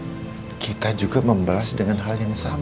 tidak perlu kita juga membalas dengan hal yang sama